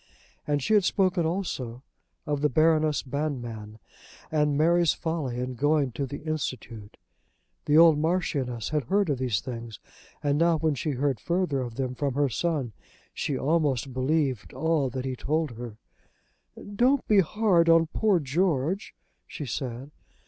And she had spoken also of the Baroness Banmann and Mary's folly in going to the Institute. The old Marchioness had heard of these things, and now, when she heard further of them from her son, she almost believed all that he told her. "Don't be hard upon poor George," she said.